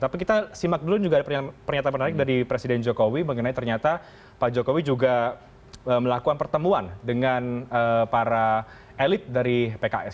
tapi kita simak dulu juga ada pernyataan menarik dari presiden jokowi mengenai ternyata pak jokowi juga melakukan pertemuan dengan para elit dari pks